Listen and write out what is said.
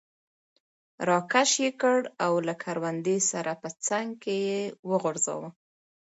را کش یې کړ او له کروندې سره په څنګ کې یې وغورځاوه.